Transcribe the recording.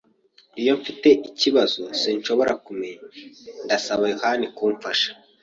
Iyo mfite ikibazo sinshobora kumenya, ndasaba yohani kumfasha.